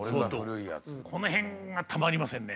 この辺がたまりませんね。